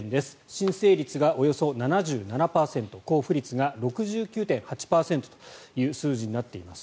申請率がおよそ７７％交付率が６９．８％という数字になっています。